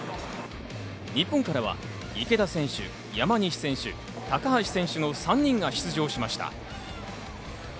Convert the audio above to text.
日本からは池田選手、山西選手、高橋選手の３人が出場しました。